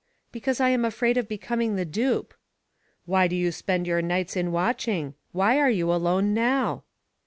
"Because I am afraid of becoming the dupe." "Why do you spend your nights in watching? Why are you alone now?"